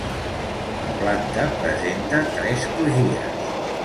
La planta presenta tres crugies.